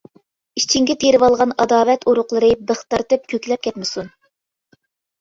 ئىچىڭگە تېرىۋالغان ئاداۋەت ئۇرۇقلىرى بىخ تارتىپ كۆكلەپ كەتمىسۇن.